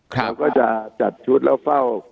เราก็จะจัดชุดแล้วเฝ้า